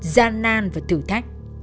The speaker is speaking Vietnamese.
gia nan và thử thách